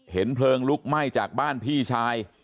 เพลิงลุกไหม้จากบ้านพี่ชาย